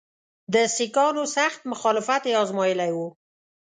د سیکهانو سخت مخالفت یې آزمېیلی وو.